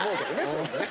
それもね。